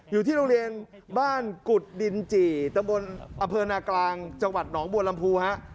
อยู่ที่โรงเรียนบ้านกุฎดินจี่ตะบนอำเภอนากลางจังหวัดหนองบัวลำพูฮะ